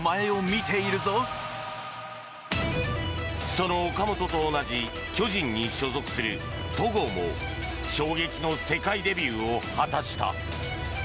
その岡本と同じ巨人に所属する戸郷も衝撃の世界デビューを果たした。